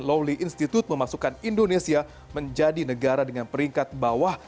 lowly institute memasukkan indonesia menjadi negara dengan peringkat bawah